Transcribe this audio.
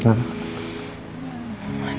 kebaikan semua brent